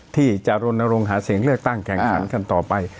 ที่จะรณรงค์หาเสียงเลือกตั้งแข่งขันกันต่อไป